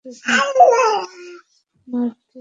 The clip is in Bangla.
মার খেয়েছি, কুকুরের মত।